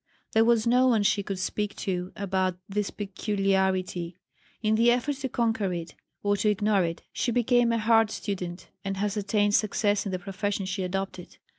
There was no one she could speak to about this peculiarity. In the effort to conquer it, or to ignore it, she became a hard student and has attained success in the profession she adopted.